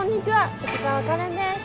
滝沢カレンです。